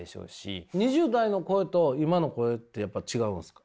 ２０代の声と今の声ってやっぱ違うんですか？